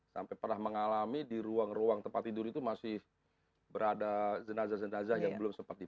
sampai pernah mengalami di ruang ruang tempat tidur itu masih berada jenazah jenazah yang belum sempat di